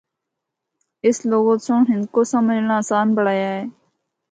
اس لغت سنڑ ہندکو سمجھنڑا آسان پنڑایا اے۔